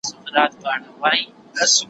هيڅوک نه وايي چي زما د غړکي خوند بد دئ.